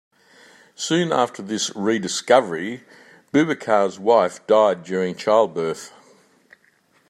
Soon after this "rediscovery," Boubacar's wife died during childbirth.